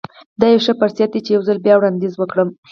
دا يو ښه فرصت دی چې يو ځل بيا وړانديز وکړم.